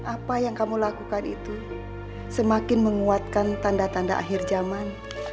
apa yang kamu lakukan itu semakin menguatkan tanda tanda akhir zaman